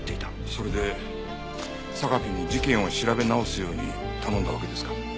それで榊に事件を調べ直すように頼んだわけですか？